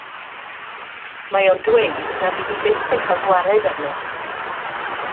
Mae o'n dweud na fydd hi byth yn cael gwared arno.